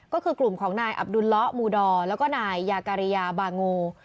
ก็คือกลุ่มของนายอับดุลละมูดอร์แล้วก็นายยาการิยาบาโง